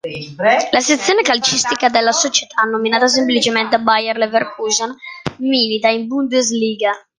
La sezione calcistica della società nominata semplicemente Bayer Leverkusen, milita in Bundesliga.